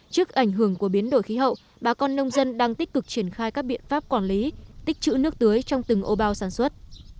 trước ảnh hưởng của biến đổi khí hậu bà con nông dân đang tích cực triển khai các biện pháp quản lý tích chữ nước tưới trong từng ô bao sản xuất